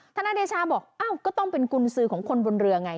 ทนายเดชาบอกอ้าวก็ต้องเป็นกุญสือของคนบนเรือไง